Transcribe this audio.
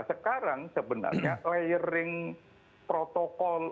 sekarang sebenarnya layering protokol